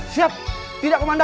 siap tidak komandan